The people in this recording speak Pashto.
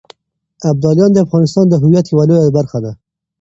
ابداليان د افغانستان د هویت يوه لويه برخه ده.